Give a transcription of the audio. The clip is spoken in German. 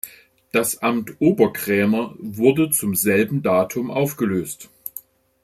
Das Amt Oberkrämer wurde zum selben Datum aufgelöst.